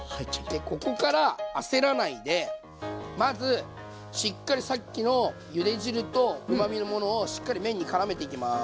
でここから焦らないでまずしっかりさっきのゆで汁とうまみのものをしっかり麺にからめていきます。